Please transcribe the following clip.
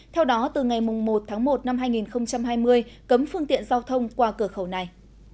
theo đó từ ngày một một hai nghìn hai mươi cấm phương tiện giao thông qua cửa khẩu này